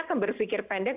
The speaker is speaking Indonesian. akan berpikir pendek